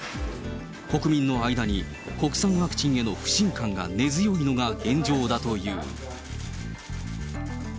国民の間に国産ワクチンへの不信感が根強いのが現状だという。